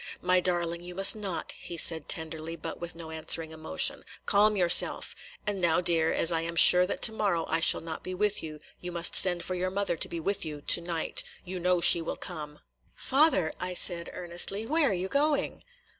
"My darling, you must not," he said tenderly, but with no answering emotion. "Calm yourself. And now, dear, as I am sure that to morrow I shall not be with you, you must send for your mother to be with you to night. You know she will come." "Father," said I earnestly, "where are you going?"